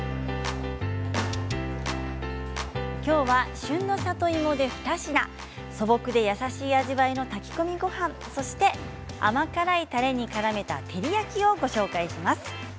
きょうは旬の里芋で２品素朴で優しい味わいの炊き込みごはんそして甘辛いたれにからめた照り焼きをご紹介します。